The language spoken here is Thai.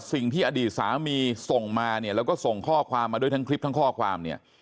สิ่งที่อดีตสามีส่งมาเนี่ยแล้วก็ส่งข้อความมาด้วยทั้งคลิปทั้งข้อความเนี่ย